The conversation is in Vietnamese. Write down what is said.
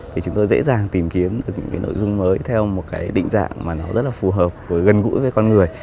thì chúng tôi dễ dàng tìm kiếm được những cái nội dung mới theo một cái định dạng mà nó rất là phù hợp với gần gũi với con người